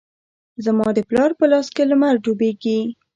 زما د پلار په لاس کې لمر ډوبیږې